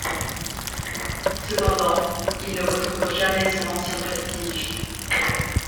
Cependant, il ne retrouve jamais son ancien prestige.